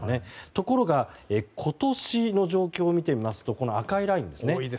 ところが今年の状況を見てみますと赤いラインですね。